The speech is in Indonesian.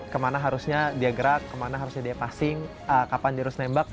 kemana harusnya dia gerak kemana harusnya dia passing kapan dia harus nembak